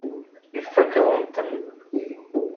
Ifakk-awen-ten.